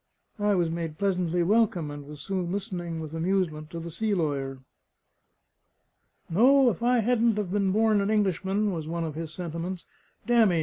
I was made pleasantly welcome, and was soon listening with amusement to the sea lawyer. "No, if I hadn't have been born an Englishman," was one of his sentiments, "damn me!